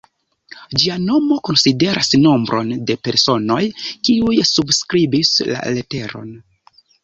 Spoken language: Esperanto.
Ĝia nomo konsideras nombron de personoj, kiuj subskribis la leteron.